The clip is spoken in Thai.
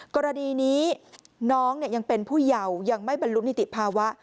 กรณีนี้น้องยังเป็นผู้เยายังไม่บรรลุนิติภาวะ